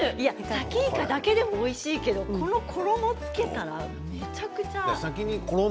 さきいかだけでもおいしいけど衣をつけたらめちゃくちゃ。